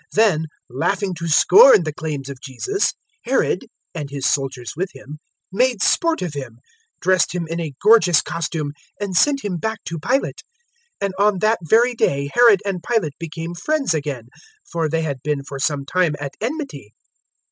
023:011 Then, laughing to scorn the claims of Jesus, Herod (and his soldiers with him) made sport of Him, dressed Him in a gorgeous costume, and sent Him back to Pilate. 023:012 And on that very day Herod and Pilate became friends again, for they had been for some time at enmity.